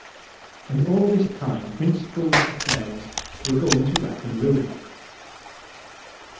And all this time Prince Bull's affairs were going to rack and ruin.